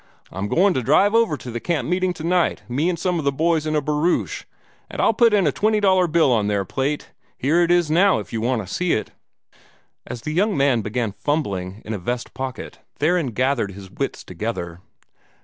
I'm going to drive over to the camp meeting tonight, me and some of the boys in a barouche, and I'll put a twenty dollar bill on their plate. Here it is now, if you want to see it." As the young man began fumbling in a vest pocket, Theron gathered his wits together.